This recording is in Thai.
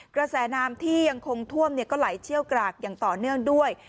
กระแสน้ำที่ยังคงท่วมก็ไหลเชี่ยวกรากอย่างต่อเนื่องด้วย